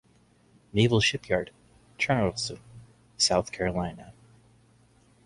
Naval Shipyard, Charleston, South Carolina.